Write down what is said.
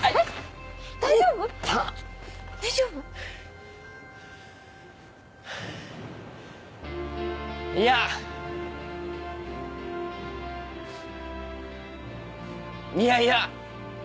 大丈夫？いや。いやいや！